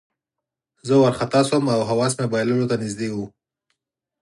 زه وارخطا شوم او حواس مې بایللو ته نږدې وو